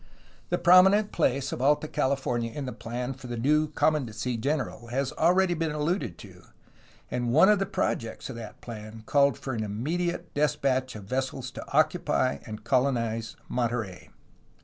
The prominent place of Alta California in the plan for the new commandancy general has already been alluded to, and one of the projects of that plan called for an immediate despatch of vessels to occupy and colonize Monterey.